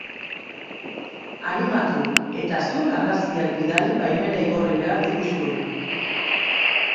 Animatu, eta zuen argazkiak bidali baimena igorri behar diguzuela.